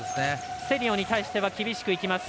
セリオに対しては厳しくいきます。